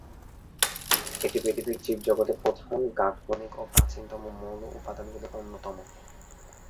এটি পৃথিবীর জীবজগতের প্রধান গাঠনিক ও প্রাচীনতম মৌল উপাদানগুলির অন্যতম।